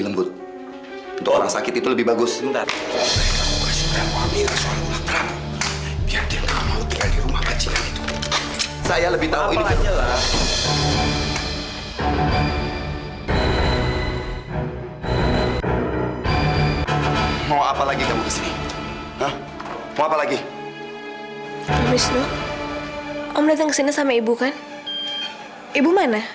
kamu anterin aku ya kamu temenin aku